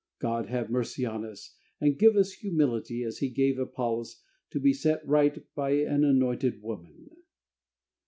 God have mercy on us, and give us humility, as He gave Apollos, to be set right by an anointed woman!